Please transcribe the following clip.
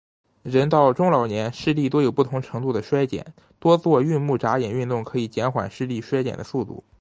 人到中老年，视力多有不同程度地衰减，多做运目眨眼运动可以减缓视力衰减的速度。